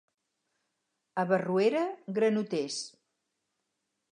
A Barruera, granoters.